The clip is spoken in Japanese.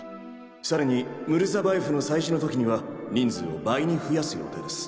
さらにムルザバエフの催事の時には人数を倍に増やす予定です